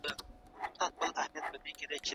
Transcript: او په همدي سره دحكومت دمشرۍ معيار لوړيږي ،